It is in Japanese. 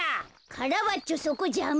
カラバッチョそこじゃま。